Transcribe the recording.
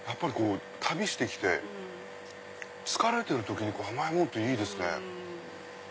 旅してきて疲れてる時に甘いものっていいですね。